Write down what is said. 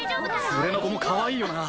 連れの子もかわいいよな。